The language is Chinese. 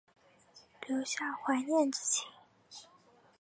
留下怀念之情